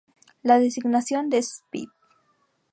La designación de spp.